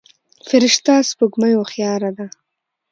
فرشته سپوږمۍ هوښياره ده.